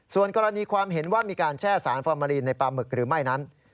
ส่วนกรณีความเห็นว่ามีการแช่สารฟอร์มาลีนในปลาหมึกหรือไม่นั้น